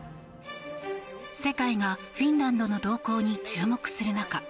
世界がフィンランドの動向に注目する中